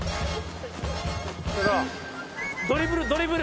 ドリブルドリブル！